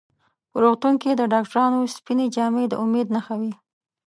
په روغتون کې د ډاکټرانو سپینې جامې د امید نښه وي.